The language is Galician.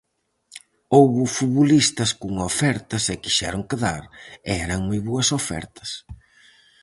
Houbo futbolistas con ofertas e quixeron quedar, e eran moi boas ofertas.